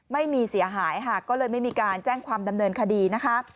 ไม่มีเสียหายค่ะก็เลยไม่มีการแจ้งความดำเนินคดีนะคะ